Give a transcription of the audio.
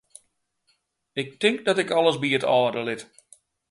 Ik tink dat ik alles by it âlde lit.